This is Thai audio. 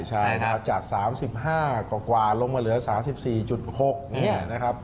ใช่จาก๓๕กว่าลงมาเหลือ๓๔๖นะครับ